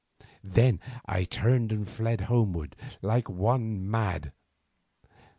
Then I turned and fled homewards like one mad.